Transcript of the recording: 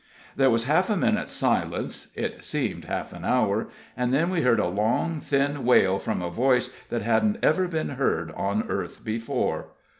There was half a minute's silence it seemed half an hour and then we heard a long, thin wail from a voice that hadn't ever been heard on earth before.